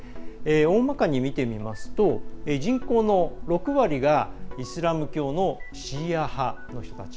おおまかに見てみますと人口の６割がイスラム教のシーア派の人たち。